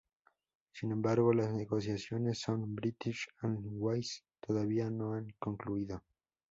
Sin embargo las negociaciones con British Airways todavía no han concluido.